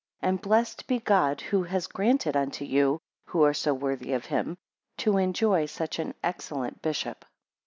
And blessed be God, who has granted unto you, who are so worthy of him, to enjoy such an excellent bishop.